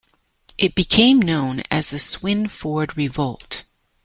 It became known as the "Swinford Revolt".